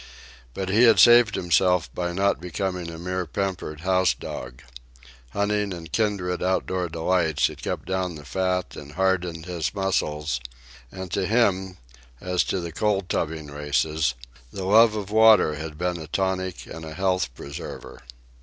But he had saved himself by not becoming a mere pampered house dog. Hunting and kindred outdoor delights had kept down the fat and hardened his muscles; and to him, as to the cold tubbing races, the love of water had been a tonic and a health preserver.